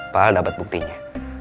pak al dapat buktinya